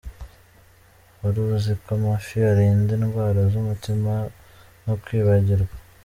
Wari uzi ko amafi arinda indwara z’umutima no kwibagirwa